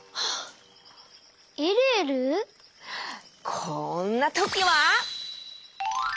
こんなときは！